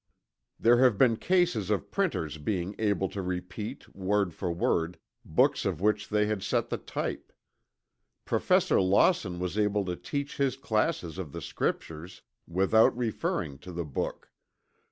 There have been cases of printers being able to repeat, word for word, books of which they had set the type. Professor Lawson was able to teach his classes on the Scriptures without referring to the book.